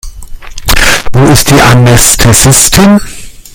Wo ist die Anästhesistin?